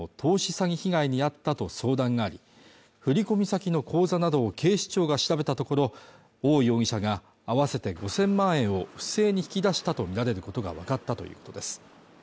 詐欺被害に遭ったと相談があり振込先の口座などを警視庁が調べたところ王容疑者が合わせて５０００万円を不正に引き出したとみられることが分かったということです